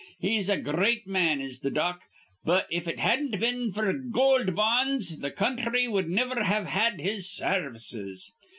He's a gr reat man is th' Dock. But, if it hadn't been f'r Goold Bonds, th' counthry wud niver have had his sarvices.